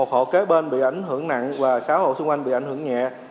một hộ kế bên bị ảnh hưởng nặng và sáu hộ xung quanh bị ảnh hưởng nhẹ